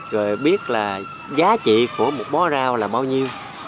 rồi biết là giá trị của một bó rau là bao nhiêu